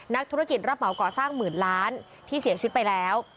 นักธุรกิจรับเหมาก่อสร้างหมื่นล้านที่เสียชีวิตไปแล้ว